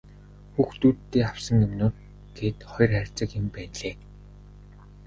Хүүхдүүддээ авсан юмнууд гээд хоёр хайрцаг юм байнлээ.